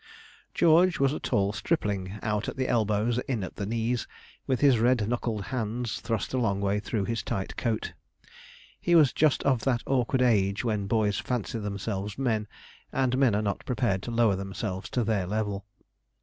George was a tall stripling, out at the elbows, in at the knees, with his red knuckled hands thrust a long way through his tight coat. He was just of that awkward age when boys fancy themselves men, and men are not prepared to lower themselves to their level.